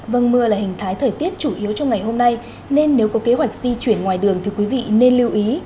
vâng mưa là hình thái thời tiết chủ yếu trong ngày hôm nay nên nếu có kế hoạch di chuyển ngoài đường thì quý vị nên lưu ý